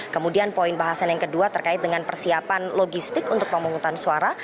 kemudian poin bahasan yang kedua terkait dengan persiapan logistik untuk pemungutan suara